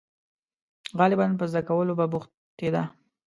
• غالباً په زده کولو به بوختېده.